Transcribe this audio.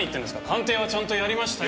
鑑定はちゃんとやりましたよ。